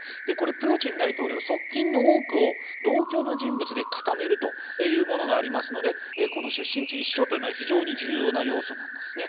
プーチン大統領、側近の多くを同郷の人物で固めるというのがありますので出身地が一緒というのは非常に重要な要素なんですね。